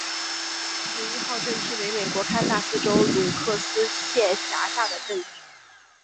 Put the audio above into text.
十一号镇区为美国堪萨斯州鲁克斯县辖下的镇区。